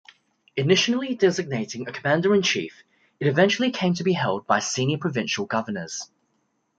Initially designating a commander-in-chief, it eventually came to be held by senior provincial governors.